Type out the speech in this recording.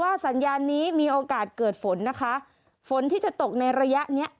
สัญญาณนี้มีโอกาสเกิดฝนนะคะฝนที่จะตกในระยะเนี้ย